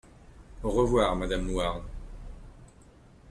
Au revoir madame Louarn.